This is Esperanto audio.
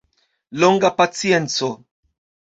Longa pacienco.